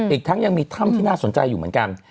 อีกทั้งยังมีถ้ำที่น่าสนใจอยู่เหมือนกัน